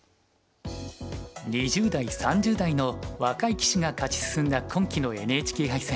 ２０代３０代の若い棋士が勝ち進んだ今期のＮＨＫ杯戦。